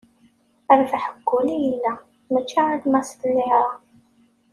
Lferḥ deg wul i yella, mačči alamma s llira.